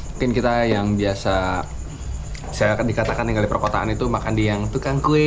mungkin kita yang biasa saya dikatakan tinggal di perkotaan itu makan di yang tukang kue